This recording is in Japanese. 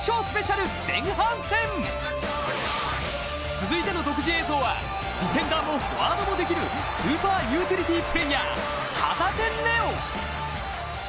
続いての独自映像はディフェンダーもフォワードもできるスーパーユーティリティープレーヤー・旗手怜央。